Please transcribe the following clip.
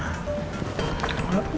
ma tenang ma